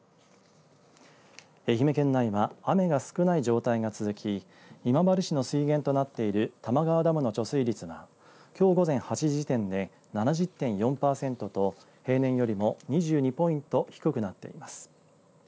愛媛県内は雨が少ない状態が続き今治市の水源となっている玉川ダムの貯水率はきょう午前８時時点で７０．４パーセントと平年よりも２２ポイント低くなっています。